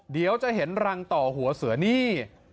เดี๋ยวจะเห็นรังต่อหัวเสือนี่